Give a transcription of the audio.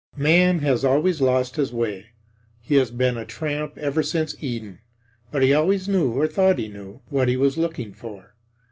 Man has always lost his way. He has been a tramp ever since Eden; but he always knew, or thought he knew, what he was looking for.